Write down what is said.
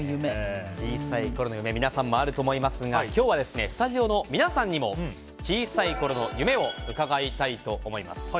小さいころの夢皆さんもあると思いますが今日はスタジオの皆さんにも小さいころの夢を伺いたいと思います。